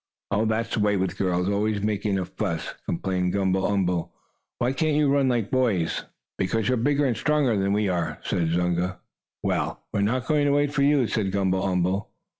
"Oh, that's the way with girls always making a fuss!" complained Gumble umble. "Why can't you run like we boys do?" "Because you're bigger and stronger than we are," said Zunga. "Well, we're not going to wait for you," said Gumble umble.